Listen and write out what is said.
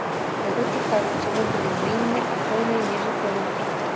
Яго цікавіць, чаму былі змененыя ахоўныя межы помніка.